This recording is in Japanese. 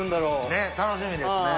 ねっ楽しみですね。